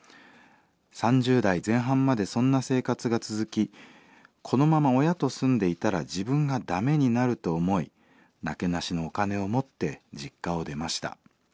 ３０代前半までそんな生活が続きこのまま親と住んでいたら自分が駄目になると思いなけなしのお金を持って実家を出ました。